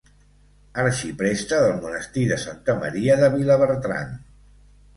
Arxipreste del Monestir de Santa Maria de Vilabertran.